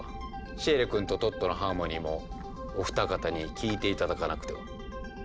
シエリ君とトットのハーモニーもお二方に聴いて頂かなくては。